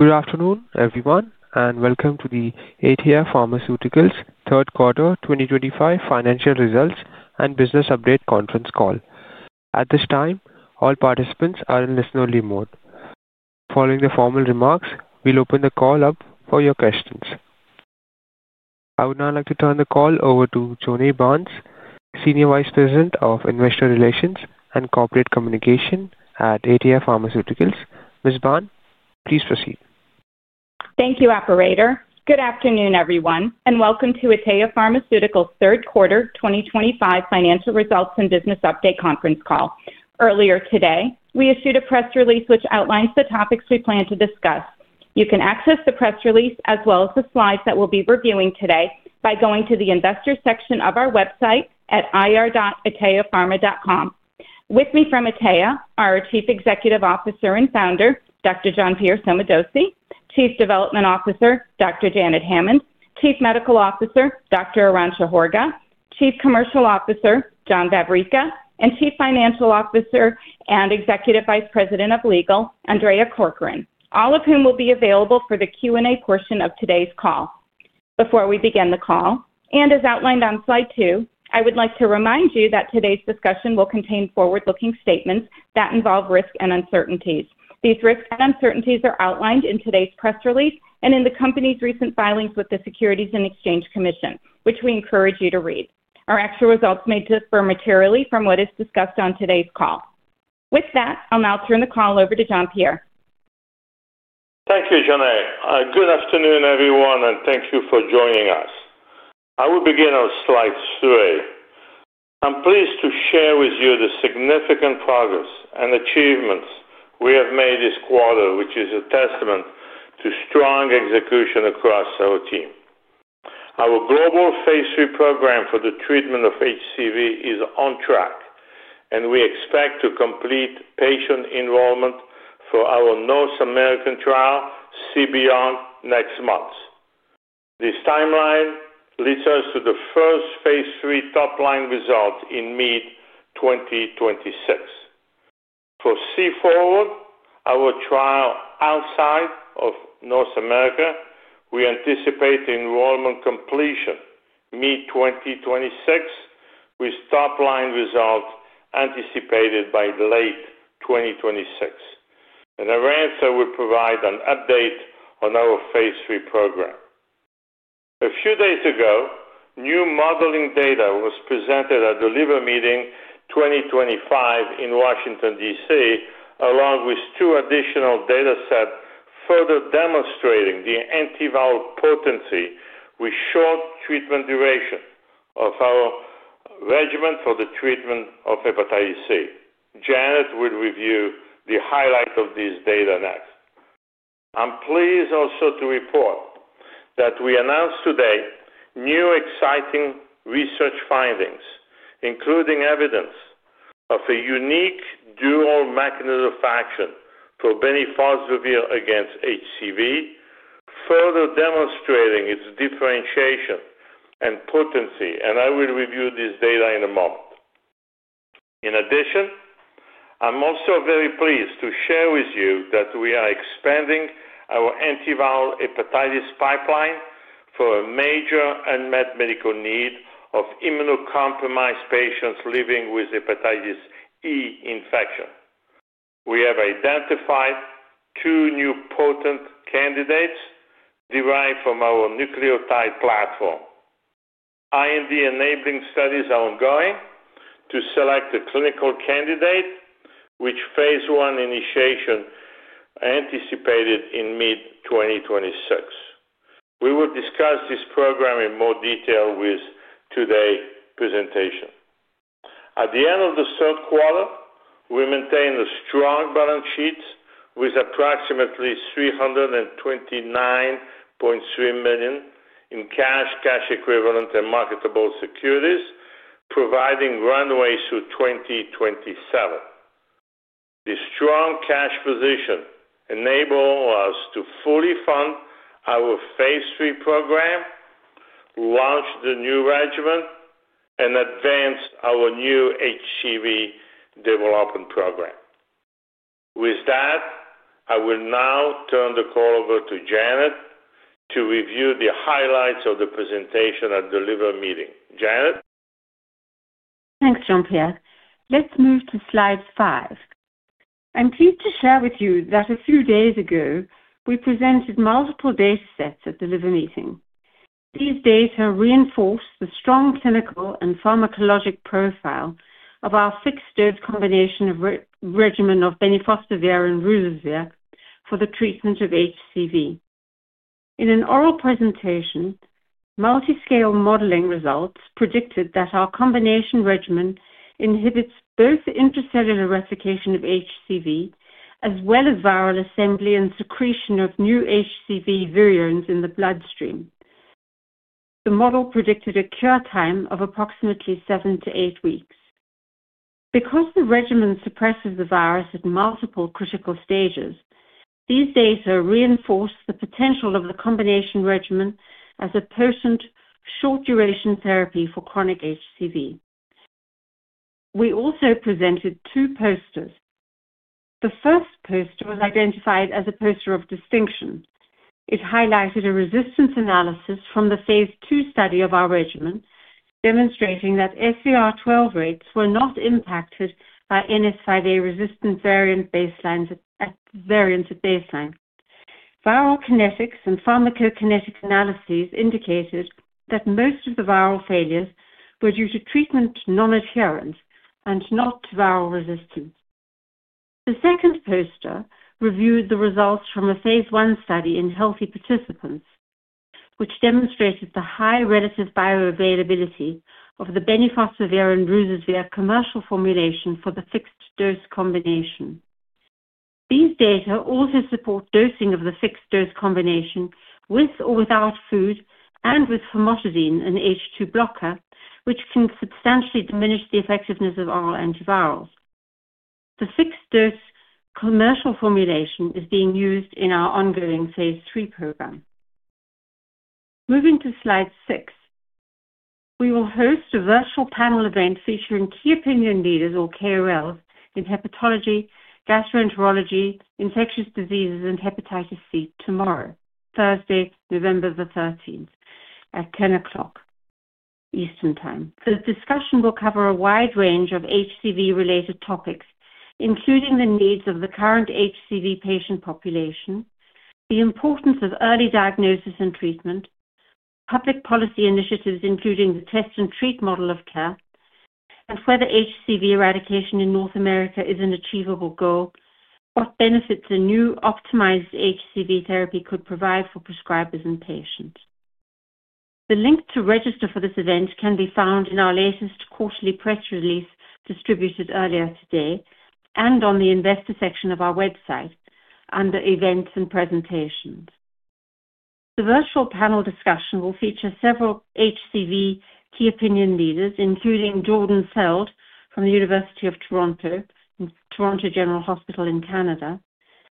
Good afternoon, everyone, and welcome to the Atea Pharmaceuticals' third quarter 2025 financial results and business update conference call. At this time, all participants are in listener-lead mode. Following the formal remarks, we'll open the call up for your questions. I would now like to turn the call over to Jonae Barnes, Senior Vice President of Investor Relations and Corporate Communications at Atea Pharmaceuticals. Ms. Barnes, please proceed. Thank you, Oparator. Good afternoon, everyone, and welcome to Atea Pharmaceuticals' Third Quarter 2025 Financial Results and Business Update Conference Call. Earlier today, we issued a press release which outlines the topics we plan to discuss. You can access the press release as well as the slides that we'll be reviewing today by going to the investor section of our website at ir.ateapharma.com. With me from Atea are our Chief Executive Officer and Founder, Dr. Jean-Pierre Sommadossi, Chief Development Officer, Dr. Janet Hammond, Chief Medical Officer, Dr. Arantxa Horga, Chief Commercial Officer, John Vavricka, and Chief Financial Officer and Executive Vice President of Legal, Andrea Corcoran, all of whom will be available for the Q&A portion of today's call. Before we begin the call, and as outlined on slide two, I would like to remind you that today's discussion will contain forward-looking statements that involve risk and uncertainties. These risks and uncertainties are outlined in today's press release and in the company's recent filings with the Securities and Exchange Commission, which we encourage you to read. Our actual results may differ materially from what is discussed on today's call. With that, I'll now turn the call over to Jean-Pierre. Thank you, Jonae. Good afternoon, everyone, and thank you for joining us. I will begin on slide three. I'm pleased to share with you the significant progress and achievements we have made this quarter, which is a testament to strong execution across our team. Our global phase 3 program for the treatment of HCV is on track, and we expect to complete patient enrollment for our North American trial, CBONG, next month. This timeline leads us to the first phase 3 top-line result in mid-2026. For C Forward, our trial outside of North America, we anticipate enrollment completion mid-2026 with top-line result anticipated by late 2026. Arantxa will provide an update on our phase 3 program. A few days ago, new modeling data was presented at The Liver Meeting 2025 in Washington, D.C., along with two additional data sets further demonstrating the antiviral potency with short treatment duration of our regimen for the treatment of hepatitis C. Janet will review the highlight of these data next. I'm pleased also to report that we announced today new exciting research findings, including evidence of a unique dual mechanism of action for bemnifosbuvir against HCV, further demonstrating its differentiation and potency, and I will review this data in a moment. In addition, I'm also very pleased to share with you that we are expanding our antiviral hepatitis pipeline for a major unmet medical need of immunocompromised patients living with hepatitis E infection. We have identified two new potent candidates derived from our nucleotide platform. IND-enabling studies are ongoing to select a clinical candidate, with phase one initiation anticipated in mid-2026. We will discuss this program in more detail with today's presentation. At the end of the third quarter, we maintain a strong balance sheet with approximately $329.3 million in cash, cash equivalents, and marketable securities, providing runway through 2027. This strong cash position enables us to fully fund our phase three program, launch the new regimen, and advance our new HCV development program. With that, I will now turn the call over to Janet to review the highlights of the presentation at the Liver Meeting. Janet? Thanks, Jean-Pierre. Let's move to slide five. I'm pleased to share with you that a few days ago, we presented multiple data sets at the Liver Meeting. These data reinforce the strong clinical and pharmacologic profile of our fixed-dose combination regimen of Bemnifosbuvir and Ruzasvir for the treatment of HCV. In an oral presentation, multiscale modeling results predicted that our combination regimen inhibits both intracellular replication of HCV as well as viral assembly and secretion of new HCV variants in the bloodstream. The model predicted a cure time of approximately seven to eight weeks. Because the regimen suppresses the virus at multiple critical stages, these data reinforce the potential of the combination regimen as a potent short-duration therapy for chronic HCV. We also presented two posters. The first poster was identified as a poster of distinction. It highlighted a resistance analysis from the phase two study of our regimen, demonstrating that SVR12 rates were not impacted by NS5A resistant variant at baseline. Viral kinetics and pharmacokinetic analyses indicated that most of the viral failures were due to treatment non-adherence and not viral resistance. The second poster reviewed the results from a phase one study in healthy participants, which demonstrated the high relative bioavailability of the Bemnifosbuvir and Ruzasvir commercial formulation for the fixed dose combination. These data also support dosing of the fixed dose combination with or without food and with Famotidine, an H2 blocker, which can substantially diminish the effectiveness of all antivirals. The fixed dose commercial formulation is being used in our ongoing phase three program. Moving to slide six, we will host a virtual panel event featuring key opinion leaders, or KOLs, in hepatology, gastroenterology, infectious diseases, and hepatitis C tomorrow, Thursday, November the 13th, at 10:00 A.M. Eastern Time. The discussion will cover a wide range of HCV-related topics, including the needs of the current HCV patient population, the importance of early diagnosis and treatment, public policy initiatives, including the test and treat model of care, and whether HCV eradication in North America is an achievable goal, what benefits a new optimized HCV therapy could provide for prescribers and patients. The link to register for this event can be found in our latest quarterly press release distributed earlier today and on the investor section of our website under events and presentations. The virtual panel discussion will feature several HCV key opinion leaders, including Jordan Feld from the University of Toronto, Toronto General Hospital in Canada,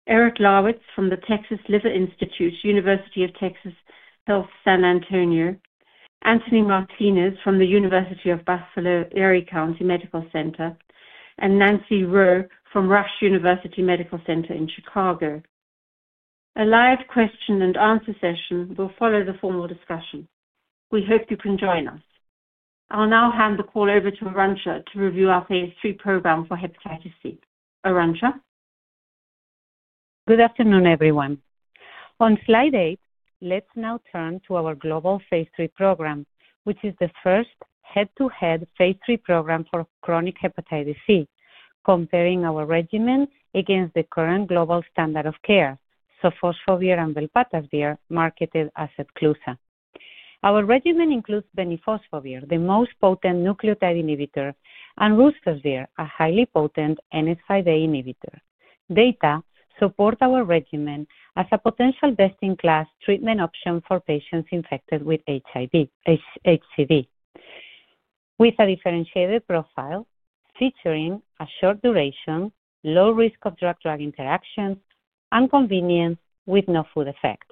Eric Lawitz from the Texas Liver Institute, University of Texas Health San Antonio, Anthony Martinez from the University of Buffalo Erie County Medical Center, and Nancy Reau from Rush University Medical Center in Chicago. A live question and answer session will follow the formal discussion. We hope you can join us. I'll now hand the call over to Arantxa to review our phase three program for hepatitis C. Arantxa? Good afternoon, everyone. On slide eight, let's now turn to our global phase 3 program, which is the first head-to-head phase 3 program for chronic hepatitis C, comparing our regimen against the current global standard of care, sofosbuvir and Velpatasvir, marketed as Epclusa. Our regimen includes Bemnifosbuvir, the most potent nucleotide inhibitor, and Ruzasvir, a highly potent NS5A inhibitor. Data support our regimen as a potential best-in-class treatment option for patients infected with HCV, with a differentiated profile featuring a short duration, low risk of drug-drug interaction, and convenience with no food effect.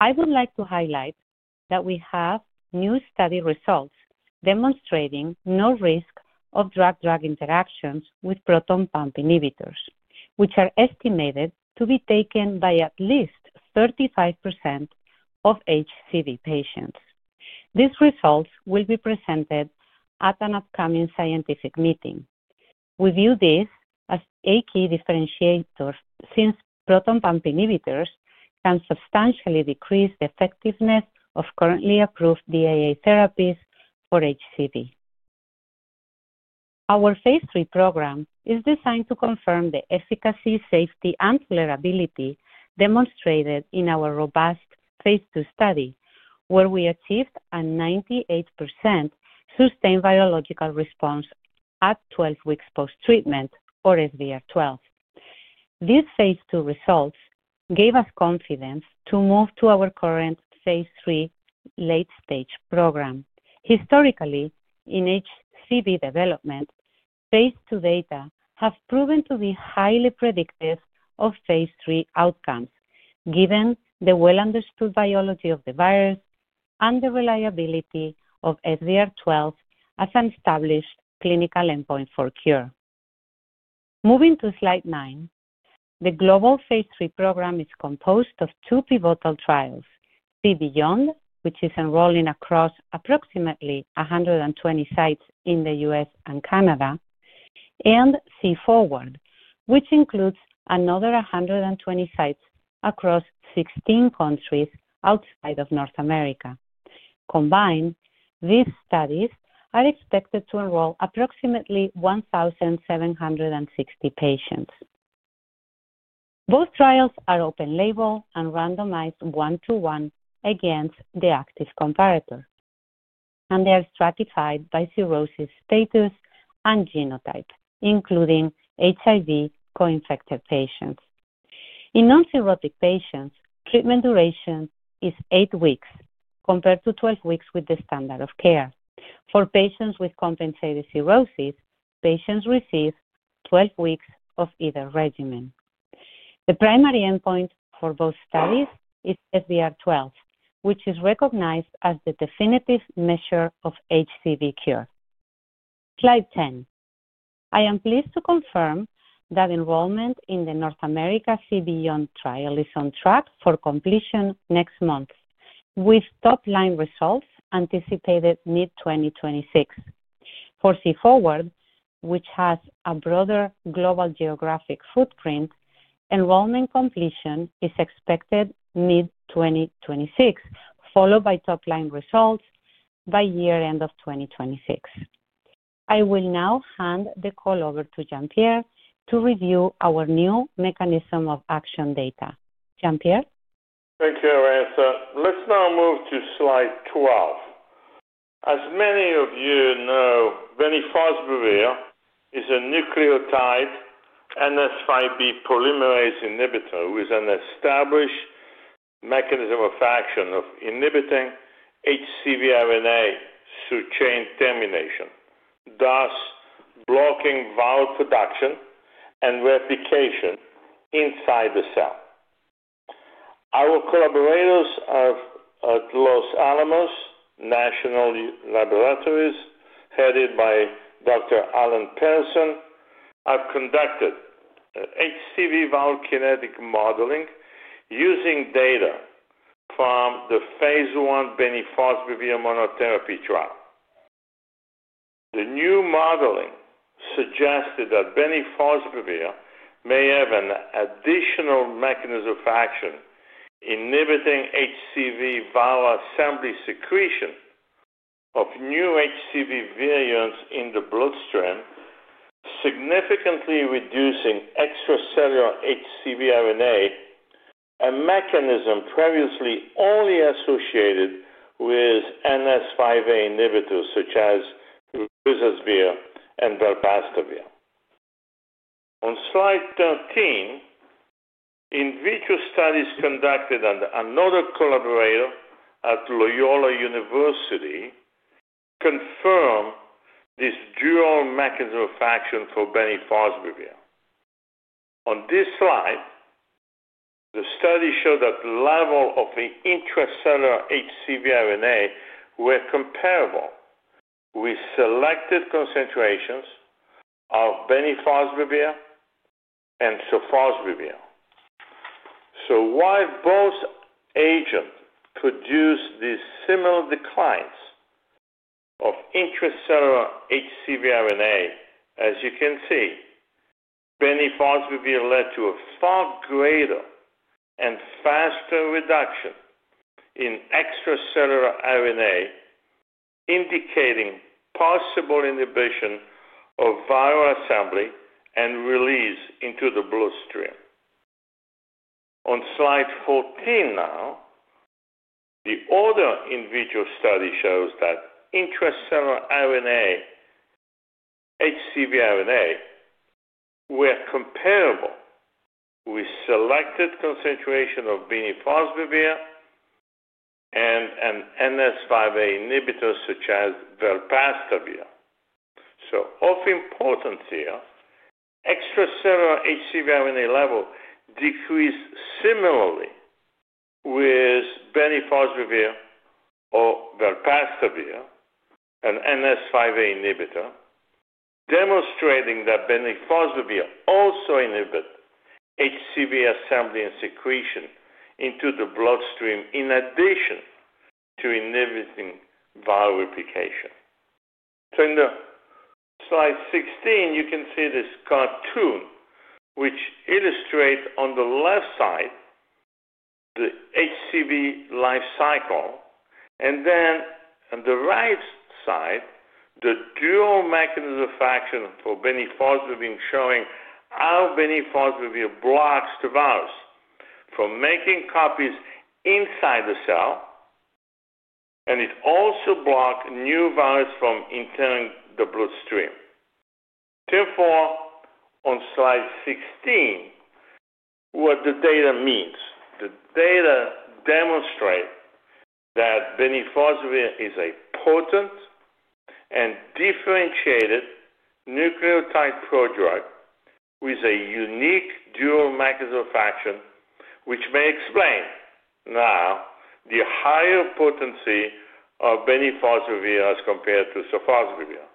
I would like to highlight that we have new study results demonstrating no risk of drug-drug interactions with proton pump inhibitors, which are estimated to be taken by at least 35% of HCV patients. These results will be presented at an upcoming scientific meeting. We view this as a key differentiator since proton pump inhibitors can substantially decrease the effectiveness of currently approved DAA therapies for HCV. Our phase III program is designed to confirm the efficacy, safety, and tolerability demonstrated in our robust phase III study, where we achieved a 98% sustained virologic response at 12 weeks post-treatment, or SVR12. These phase II results gave us confidence to move to our current phase III late-stage program. Historically, in HCV development, phase II data have proven to be highly predictive of phase III outcomes, given the well-understood biology of the virus and the reliability of SVR12 as an established clinical endpoint for cure. Moving to slide nine, the global phase III program is composed of two pivotal trials, CBONG, which is enrolling across approximately 120 sites in the U.S. and Canada, and C Forward, which includes another 120 sites across 16 countries outside of North America. Combined, these studies are expected to enroll approximately 1,760 patients. Both trials are open label and randomized one-to-one against the active comparator, and they are stratified by cirrhosis status and genotype, including HIV co-infected patients. In non-cirrhotic patients, treatment duration is eight weeks compared to 12 weeks with the standard of care. For patients with compensated cirrhosis, patients receive 12 weeks of either regimen. The primary endpoint for both studies is SVR12, which is recognized as the definitive measure of HCV cure. Slide 10. I am pleased to confirm that enrollment in the North America CBONG trial is on track for completion next month, with top-line results anticipated mid-2026. For C Forward, which has a broader global geographic footprint, enrollment completion is expected mid-2026, followed by top-line results by year-end of 2026. I will now hand the call over to Jean-Pierre to review our new mechanism of action data. Jean-Pierre? Thank you, Arantxa. Let's now move to slide 12. As many of you know, Bemnifosbuvir is a nucleotide NS5B polymerase inhibitor with an established mechanism of action of inhibiting HCV RNA through chain termination, thus blocking viral production and replication inside the cell. Our collaborators at Los Alamos National Laboratories, headed by Dr. Alan Perelson, have conducted HCV viral kinetic modeling using data from the phase one Bemnifosbuvir monotherapy trial. The new modeling suggested that Bemnifosbuvir may have an additional mechanism of action inhibiting HCV viral assembly secretion of new HCV variants in the bloodstream, significantly reducing extracellular HCV RNA, a mechanism previously only associated with NS5A inhibitors such as Ruzasvir and Velpatasvir. On slide 13, in vitro studies conducted under another collaborator at Loyola University confirm this dual mechanism of action for Bemnifosbuvir. On this slide, the study showed that the level of intracellular HCV RNA were comparable with selected concentrations of Bemnifosbuvir and Sofosbuvir. While both agents produced these similar declines of intracellular HCV RNA, as you can see, Bemnifosbuvir led to a far greater and faster reduction in extracellular RNA, indicating possible inhibition of viral assembly and release into the bloodstream. On slide 14 now, the other in vitro study shows that intracellular RNA, HCV RNA, were comparable with selected concentration of Bemnifosbuvir and an NS5A inhibitor such as Velpatasvir. Of importance here, extracellular HCV RNA level decreased similarly with Bemnifosbuvir or Velpatasvir, an NS5A inhibitor, demonstrating that Bemnifosbuvir also inhibits HCV assembly and secretion into the bloodstream in addition to inhibiting viral replication. In slide 16, you can see this cartoon, which illustrates on the left side the HCV life cycle, and then on the right side, the dual mechanism of action for Bemnifosbuvir showing how Bemnifosbuvir blocks the virus from making copies inside the cell, and it also blocks new virus from entering the bloodstream. Therefore, on slide 16, what the data means. The data demonstrate that Bmnifosbuvir is a potent and differentiated nucleotide prodrug with a unique dual mechanism of action, which may explain now the higher potency of Bemnifosbuvir as compared to Sofosbuvir.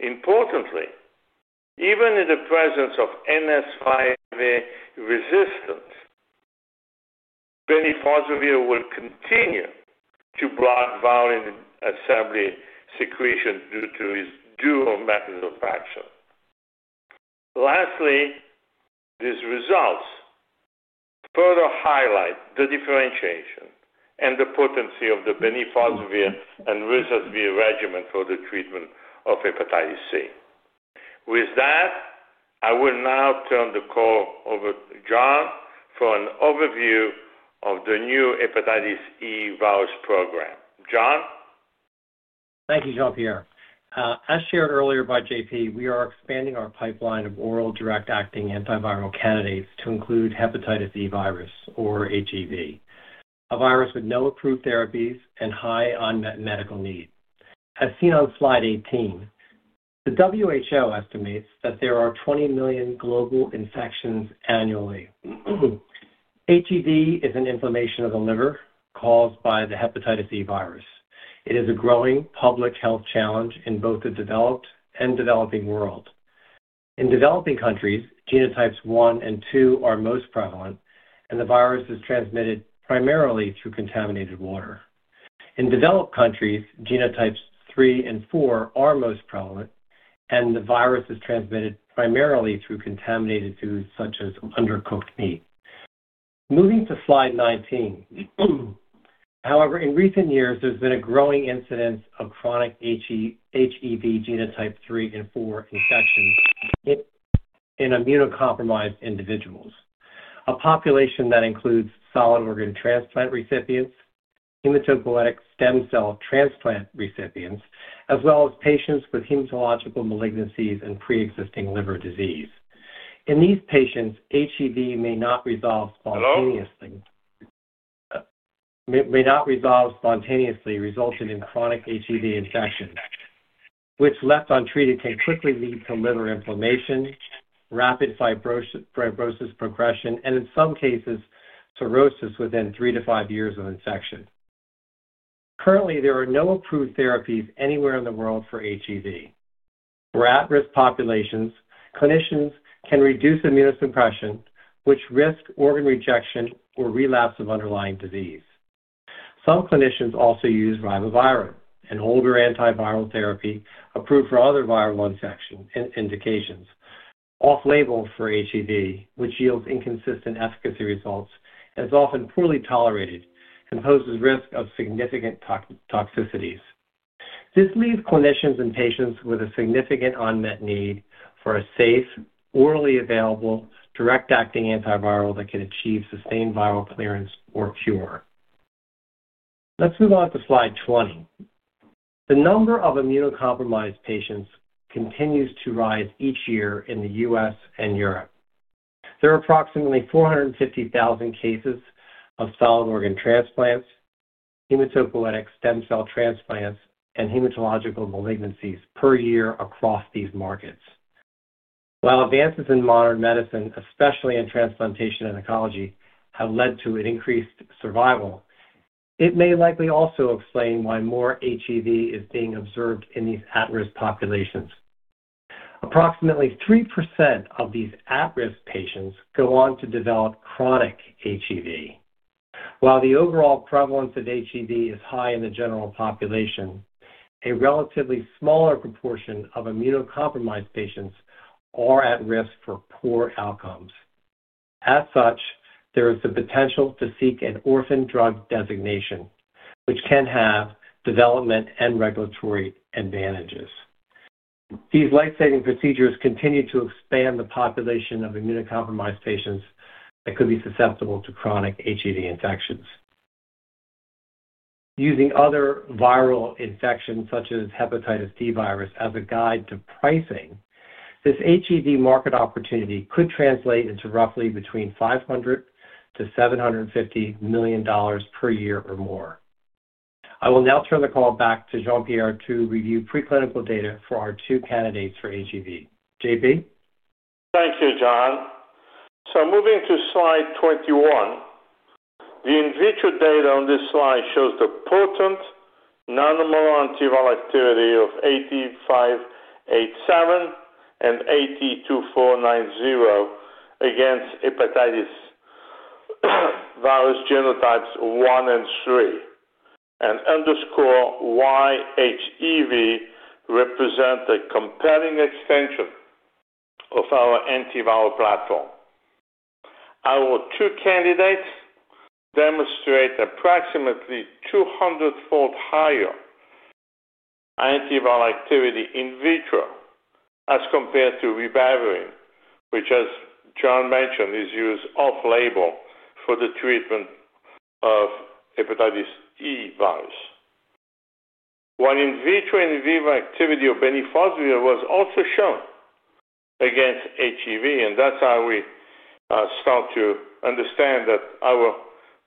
Importantly, even in the presence of NS5A resistance, Bemnifosbuvir will continue to block viral assembly secretion due to its dual mechanism of action. Lastly, these results further highlight the differentiation and the potency of the Bemnifosbuvir and Ruzasvir regimen for the treatment of hepatitis C. With that, I will now turn the call over to John for an overview of the new hepatitis E virus program. John? Thank you, Jean-Pierre. As shared earlier by JP, we are expanding our pipeline of oral direct-acting antiviral candidates to include hepatitis E virus, or HEV, a virus with no approved therapies and high unmet medical need. As seen on slide 18, the WHO estimates that there are 20 million global infections annually. HEV is an inflammation of the liver caused by the hepatitis E virus. It is a growing public health challenge in both the developed and developing world. In developing countries, genotypes one and two are most prevalent, and the virus is transmitted primarily through contaminated water. In developed countries, genotypes three and four are most prevalent, and the virus is transmitted primarily through contaminated foods such as undercooked meat. Moving to slide 19. However, in recent years, there's been a growing incidence of chronic HEV genotype 3 and 4 infections in immunocompromised individuals, a population that includes solid organ transplant recipients, hematopoietic stem cell transplant recipients, as well as patients with hematological malignancies and pre-existing liver disease. In these patients, HEV may not resolve spontaneously resulting in chronic HEV infections, which, left untreated, can quickly lead to liver inflammation, rapid fibrosis progression, and in some cases, cirrhosis within three to five years of infection. Currently, there are no approved therapies anywhere in the world for HEV. For at-risk populations, clinicians can reduce immunosuppression, which risks organ rejection or relapse of underlying disease. Some clinicians also use Ribavirin, an older antiviral therapy approved for other viral infection indications, off-label for HEV, which yields inconsistent efficacy results and is often poorly tolerated and poses risk of significant toxicities. This leaves clinicians and patients with a significant unmet need for a safe, orally available direct-acting antiviral that can achieve sustained viral clearance or cure. Let's move on to slide 20. The number of immunocompromised patients continues to rise each year in the U.S. and Europe. There are approximately 450,000 cases of solid organ transplants, hematopoietic stem cell transplants, and hematological malignancies per year across these markets. While advances in modern medicine, especially in transplantation oncology, have led to an increased survival, it may likely also explain why more HEV is being observed in these at-risk populations. Approximately 3% of these at-risk patients go on to develop chronic HEV. While the overall prevalence of HEV is high in the general population, a relatively smaller proportion of immunocompromised patients are at risk for poor outcomes. As such, there is the potential to seek an orphan drug designation, which can have development and regulatory advantages. These lifesaving procedures continue to expand the population of immunocompromised patients that could be susceptible to chronic HEV infections. Using other viral infections, such as hepatitis E virus, as a guide to pricing, this HEV market opportunity could translate into roughly between $500 million-$750 million per year or more. I will now turn the call back to Jean-Pierre to review preclinical data for our two candidates for HEV. JP? Thank you, John. Moving to slide 21, the in vitro data on this slide shows the potent nanomolar antiviral activity of AT-587 and AT-2490 against hepatitis E virus genotypes 1 and 3, and underscore why HEV represents a compelling extension of our antiviral platform. Our two candidates demonstrate approximately 200-fold higher antiviral activity in vitro as compared to Ribavirin, which, as John mentioned, is used off-label for the treatment of hepatitis E virus. While in vitro and in vivo activity of Bemnifosbuvir was also shown against HEV, and that's how we start to understand that our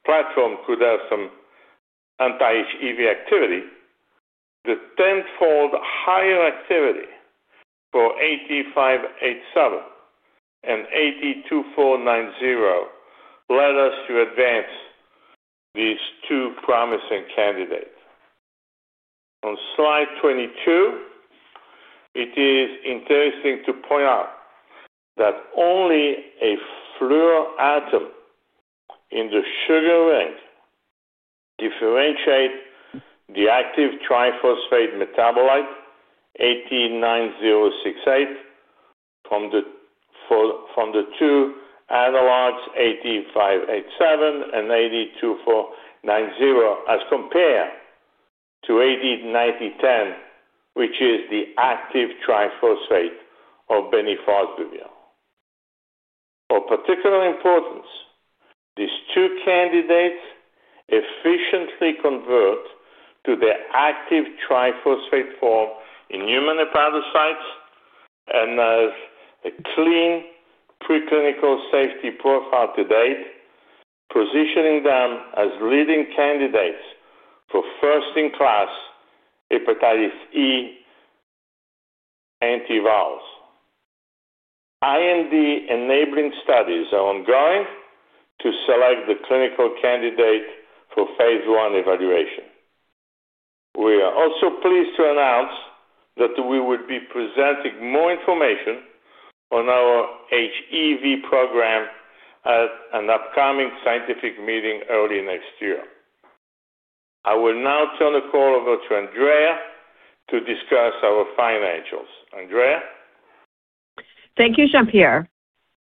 platform could have some anti-HEV activity, the 10-fold higher activity for AT-587 and AT-2490 led us to advance these two promising candidates. On slide 22, it is interesting to point out that only a fluoratom in the sugar ring differentiates the active triphosphate metabolite AT-9068 from the two analogs AT-587 and AT-2490 as compared to AT-9010, which is the active triphosphate of bemnifosbuvir. Of particular importance, these two candidates efficiently convert to their active triphosphate form in human hepatocytes and have a clean preclinical safety profile to date, positioning them as leading candidates for first-in-class hepatitis E antivirals. IND-enabling studies are ongoing to select the clinical candidate for phase one evaluation. We are also pleased to announce that we will be presenting more information on our HEV program at an upcoming scientific meeting early next year. I will now turn the call over to Andrea to discuss our financials. Andrea? Thank you, Jean-Pierre.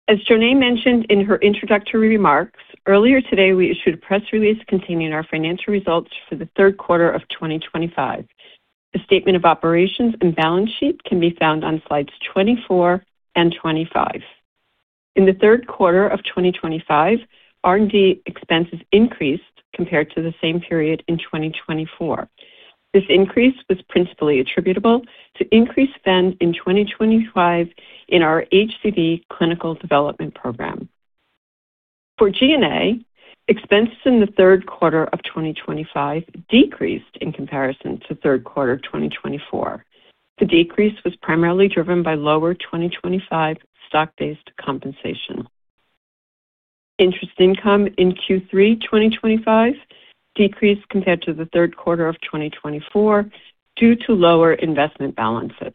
As Jonae mentioned in her introductory remarks, earlier today, we issued a press release containing our financial results for the third quarter of 2025. The statement of operations and balance sheet can be found on slides 24 and 25. In the third quarter of 2025, R&D expenses increased compared to the same period in 2024. This increase was principally attributable to increased spend in 2025 in our HCV clinical development program. For G&A, expenses in the third quarter of 2025 decreased in comparison to third quarter 2024. The decrease was primarily driven by lower 2025 stock-based compensation. Interest income in Q3 2025 decreased compared to the third quarter of 2024 due to lower investment balances.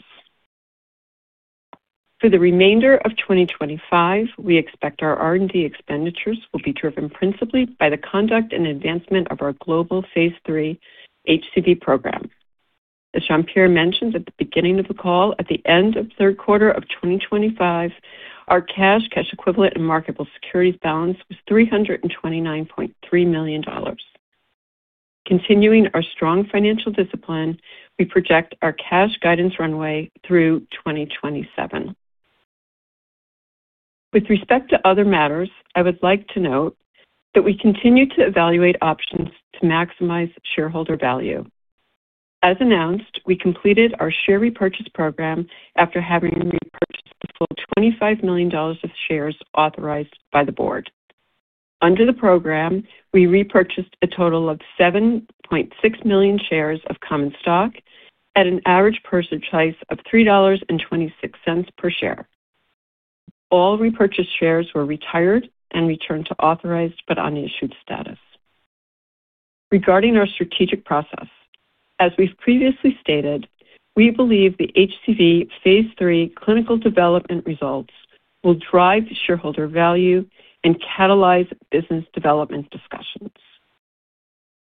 For the remainder of 2025, we expect our R&D expenditures will be driven principally by the conduct and advancement of our global phase three HCV program. As Jean-Pierre mentioned at the beginning of the call, at the end of third quarter of 2025, our cash, cash equivalent, and marketable securities balance was $329.3 million. Continuing our strong financial discipline, we project our cash guidance runway through 2027. With respect to other matters, I would like to note that we continue to evaluate options to maximize shareholder value. As announced, we completed our share repurchase program after having repurchased a full $25 million of shares authorized by the board. Under the program, we repurchased a total of 7.6 million shares of common stock at an average purchase price of $3.26 per share. All repurchased shares were retired and returned to authorized but unissued status. Regarding our strategic process, as we've previously stated, we believe the HCV phase three clinical development results will drive shareholder value and catalyze business development discussions.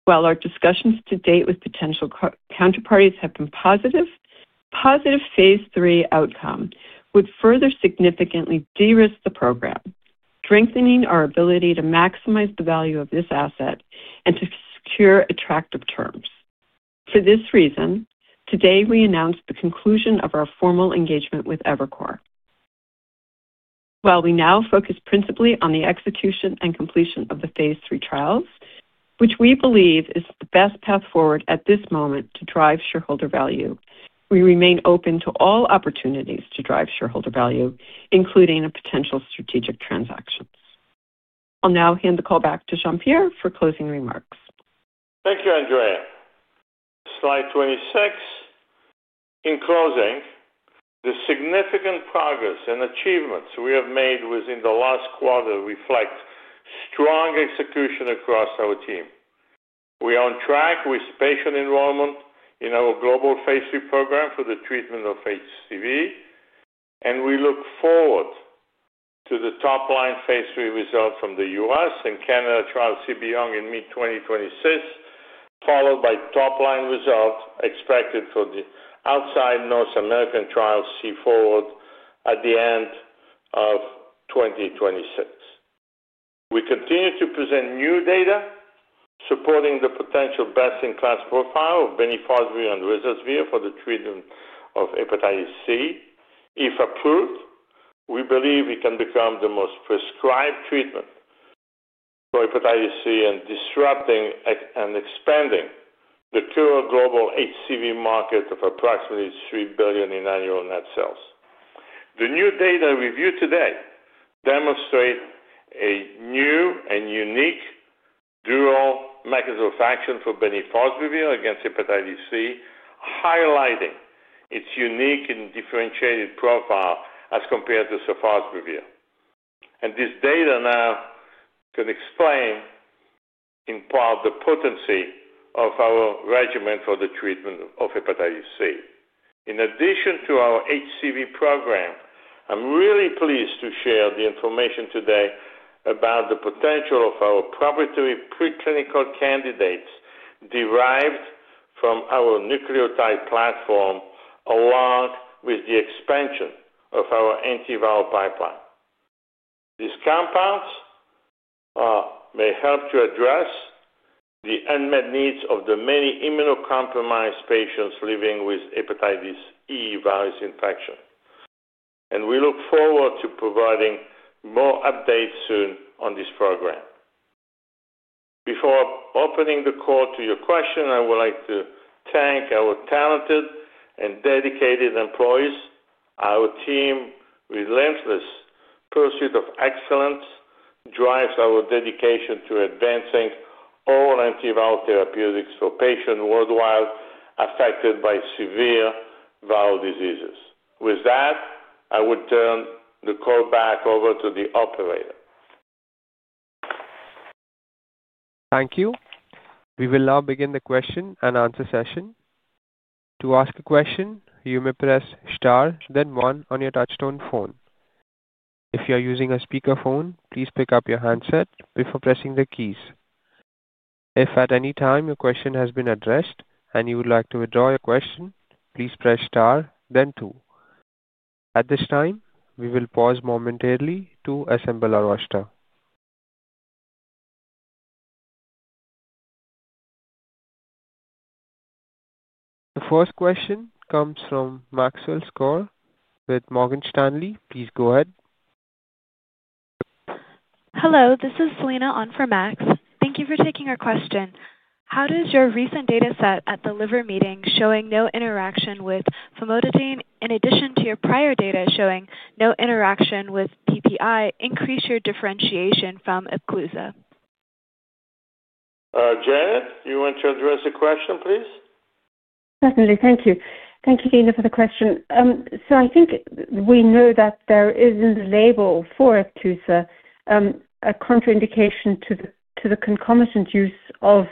While our discussions to date with potential counterparties have been positive, positive phase III outcome would further significantly de-risk the program, strengthening our ability to maximize the value of this asset and to secure attractive terms. For this reason, today, we announced the conclusion of our formal engagement with Evercore. While we now focus principally on the execution and completion of the phase III trials, which we believe is the best path forward at this moment to drive shareholder value, we remain open to all opportunities to drive shareholder value, including potential strategic transactions. I'll now hand the call back to Jean-Pierre for closing remarks. Thank you, Andrea. Slide 26. In closing, the significant progress and achievements we have made within the last quarter reflect strong execution across our team. We are on track with patient enrollment in our global phase III program for the treatment of HCV, and we look forward to the top-line phase III result from the U.S. and Canada trial CB Young in mid-2026, followed by top-line result expected for the outside North American trial C Forward at the end of 2026. We continue to present new data supporting the potential best-in-class profile of Bemnifosbuvir and Ruzasvir for the treatment of hepatitis C. If approved, we believe it can become the most prescribed treatment for hepatitis C and disrupting and expanding the current global HCV market of approximately $3 billion in annual net sales. The new data reviewed today demonstrates a new and unique dual mechanism of action for Bemnifosbuvir against hepatitis C, highlighting its unique and differentiated profile as compared to Ruzasvir. This data now can explain in part the potency of our regimen for the treatment of hepatitis C. In addition to our HCV program, I'm really pleased to share the information today about the potential of our proprietary preclinical candidates derived from our nucleotide platform along with the expansion of our antiviral pipeline. These compounds may help to address the unmet needs of the many immunocompromised patients living with hepatitis E virus infection. We look forward to providing more updates soon on this program. Before opening the call to your question, I would like to thank our talented and dedicated employees. Our team's relentless pursuit of excellence drives our dedication to advancing all antiviral therapeutics for patients worldwide affected by severe viral diseases. With that, I would turn the call back over to the operator. Thank you. We will now begin the question and answer session. To ask a question, you may press star, then one on your touch-tone phone. If you are using a speakerphone, please pick up your handset before pressing the keys. If at any time your question has been addressed and you would like to withdraw your question, please press star, then two. At this time, we will pause momentarily to assemble our roster. The first question comes from Maxwell Skor with Morgan Stanley. Please go ahead. Hello, this is Selena on for Max. Thank you for taking our question. How does your recent data set at the liver meeting showing no interaction with Famotidine, in addition to your prior data showing no interaction with PPI, increase your differentiation from Epclusa? Janet, you want to address the question, please? Definitely. Thank you. Thank you, Selena, for the question. I think we know that there is in the label for Epclusa a contraindication to the concomitant use of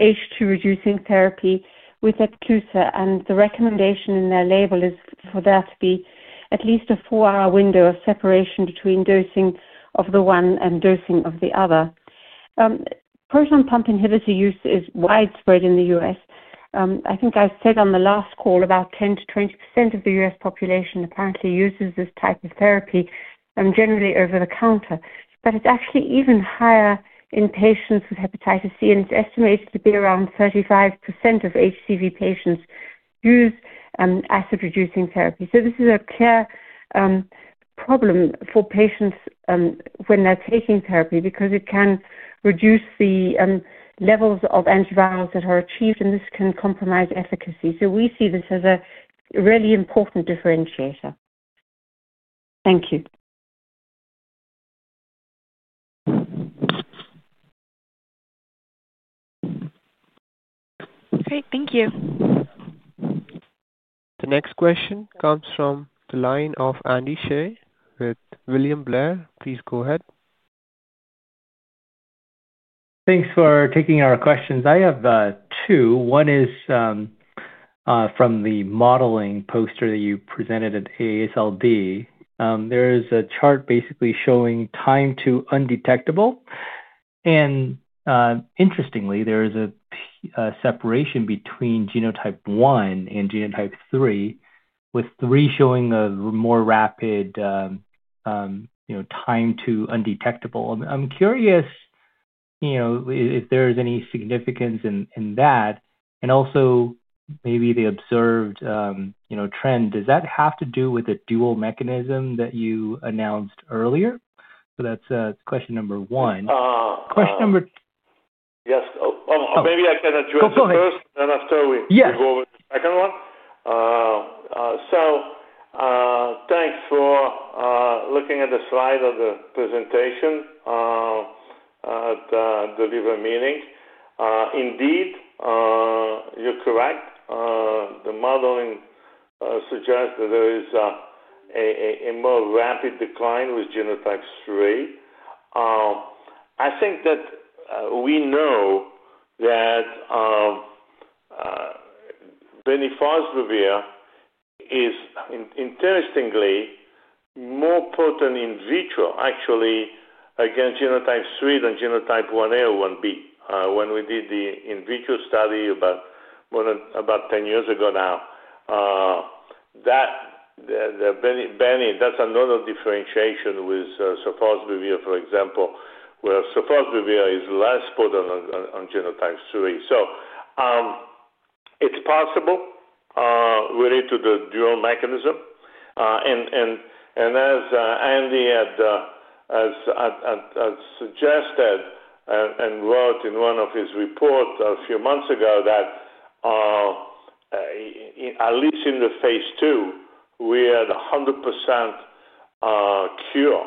H2-reducing therapy with Epclusa, and the recommendation in their label is for there to be at least a four-hour window of separation between dosing of the one and dosing of the other. Proton pump inhibitor use is widespread in the U.S. I think I said on the last call about 10-20% of the U.S. population apparently uses this type of therapy generally over the counter, but it's actually even higher in patients with hepatitis C, and it's estimated to be around 35% of HCV patients use acid-reducing therapy. This is a clear problem for patients when they're taking therapy because it can reduce the levels of antivirals that are achieved, and this can compromise efficacy. We see this as a really important differentiator. Thank you. Great. Thank you. The next question comes from the line of Andy Shea with William Blair. Please go ahead. Thanks for taking our questions. I have two. One is from the modeling poster that you presented at AASLD. There is a chart basically showing time to undetectable, and interestingly, there is a separation between genotype one and genotype three, with three showing a more rapid time to undetectable. I'm curious if there is any significance in that, and also maybe the observed trend. Does that have to do with the dual mechanism that you announced earlier? So that's question number one. Question number. Yes. Maybe I can address the first, and after we go over the second one. Thanks for looking at the slide of the presentation at the liver meeting. Indeed, you're correct. The modeling suggests that there is a more rapid decline with genotype 3. I think that we know that Bemnifosbuvir is, interestingly, more potent in vitro, actually, against genotype 3 than genotype 1A or 1B. When we did the in vitro study about 10 years ago now, that's another differentiation with sofosbuvir, for example, where sofosbuvir is less potent on genotype 3. It's possible related to the dual mechanism. As Andy had suggested and wrote in one of his reports a few months ago, at least in the phase two, we had a 100% cure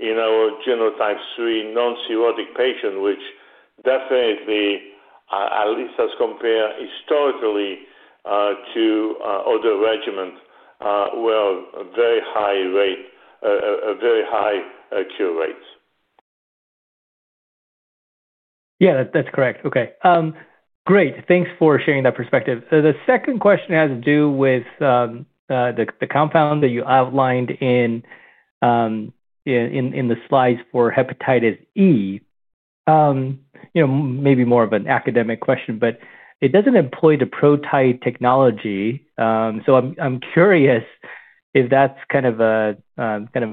in our genotype 3 non-cirrhotic patient, which definitely, at least as compared historically to other regimens, we have very high rate of very high cure rates. Yeah, that's correct. Okay. Great. Thanks for sharing that perspective. The second question has to do with the compound that you outlined in the slides for hepatitis E. Maybe more of an academic question, but it doesn't employ the protide technology. So I'm curious if that's kind of a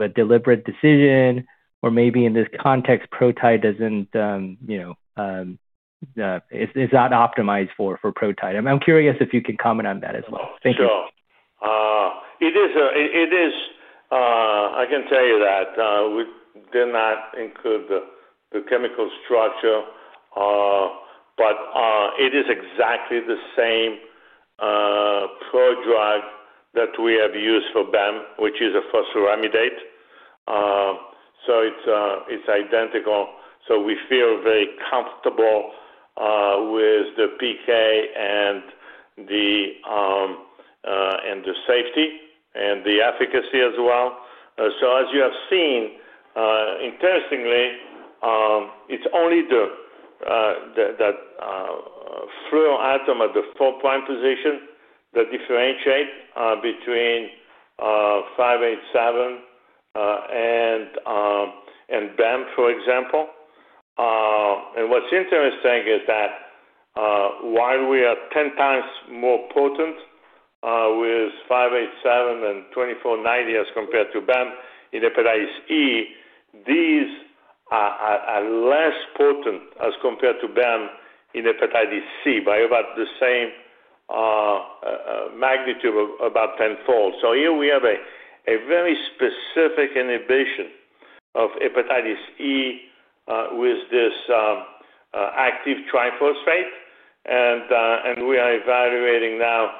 deliberate decision, or maybe in this context, protide is not optimized for protide. I'm curious if you can comment on that as well. Thank you. Sure. It is. I can tell you that we did not include the chemical structure, but it is exactly the same prodrug that we have used for BEM, which is a phosphoramidase. It is identical. We feel very comfortable with the PK and the safety and the efficacy as well. As you have seen, interestingly, it is only the fluoratom at the four-point position that differentiates between 587 and BEM, for example. What is interesting is that while we are 10 times more potent with 587 and 2490 as compared to BEM in hepatitis E, these are less potent as compared to BEM in hepatitis C by about the same magnitude, about tenfold. Here we have a very specific inhibition of hepatitis E with this active triphosphate, and we are evaluating now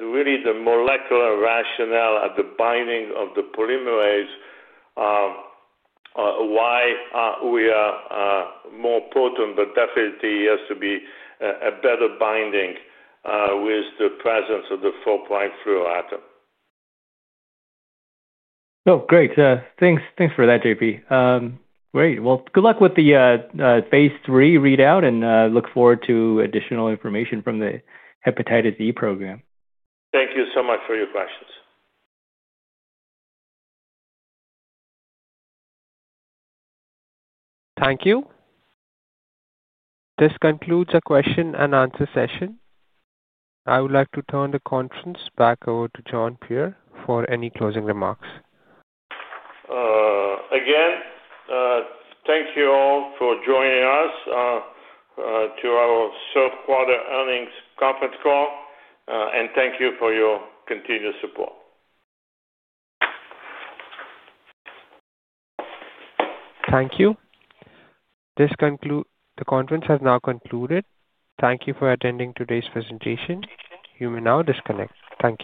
really the molecular rationale of the binding of the polymerase, why we are more potent, but definitely has to be a better binding with the presence of the four-point fluoratome. Oh, great. Thanks for that, JP. Great. Good luck with the phase three readout, and look forward to additional information from the hepatitis E program. Thank you so much for your questions. Thank you. This concludes our question and answer session. I would like to turn the conference back over to Jean-Pierre for any closing remarks. Again, thank you all for joining us to our third quarter earnings conference call, and thank you for your continued support. Thank you. The conference has now concluded. Thank you for attending today's presentation. You may now disconnect. Thank you.